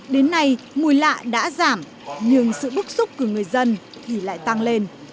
đến nay mùi lạ đã giảm nhưng sự bức xúc của người dân thì lại tăng lên